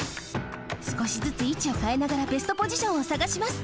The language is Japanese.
すこしずついちをかえながらベストポジションをさがします。